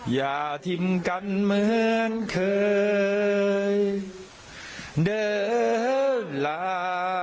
อย่าทิมกันเหมือนเคยเดินลา